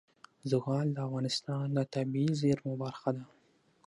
زغال د افغانستان د طبیعي زیرمو برخه ده.